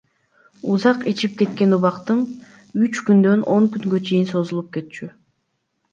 Узак ичип кеткен убактым үч күндөн он күнгө чейин созулуп кетчү.